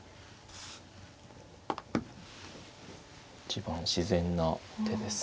一番自然な手です。